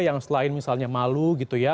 yang selain misalnya malu gitu ya